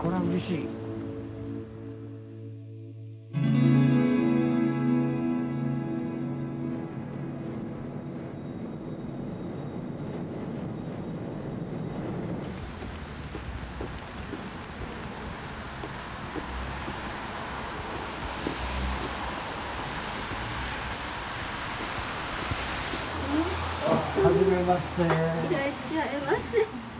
いらっしゃいませ。